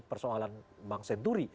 persoalan bang senturi